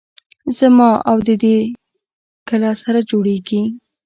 زما او د دې کله سره جوړېږي.